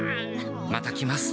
また来ます